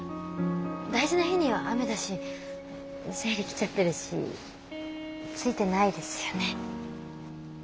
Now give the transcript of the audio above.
大事な日には雨だし生理来ちゃってるしついてないですよね。